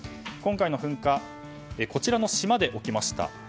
今回の噴火こちらの島で起きました。